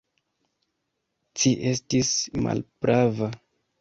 Ci estis malprava.